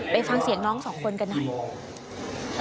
ไปฟังเสียงน้องสองคนกันหน่อย